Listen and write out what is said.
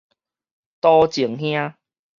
多情兄